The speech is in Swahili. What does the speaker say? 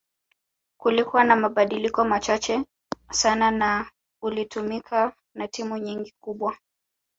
Kulikua na mabadiliko machache sana na ulitumika na timu nyingi kubwa